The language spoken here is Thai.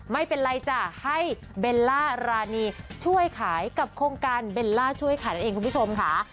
ไม่เป็นไรจ้ะให้เบลล่ารานีช่วยขายกับโครงการเบลล่าช่วยขายนั่นเองคุณผู้ชมค่ะ